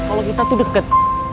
kalau kita tuh deket